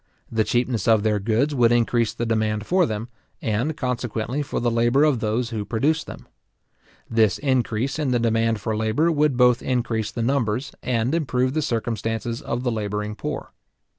The cheapness of their goods would increase the demand for them, and consequently for the labour of those who produced them. This increase in the demand for labour would both increase the numbers, and improve the circumstances of the labouring poor.